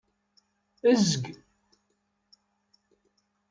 Ezg.